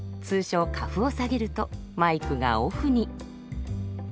通称カフを下げるとマイクがオフに。